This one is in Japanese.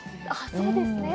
そうですね。